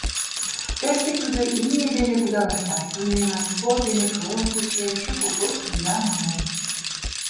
Тыште тудо имне дене кудалышташ тунемын, спорт дене кылым кучен, шуко кочкын да мален.